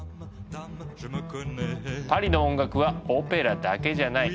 パリの音楽はオペラだけじゃない。